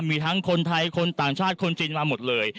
มีทั้งคนไทยคนต่างชาติคนจีนมาหมดเลย